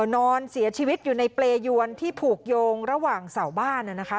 นอนเสียชีวิตอยู่ในเปรยวนที่ผูกโยงระหว่างเสาบ้านนะคะ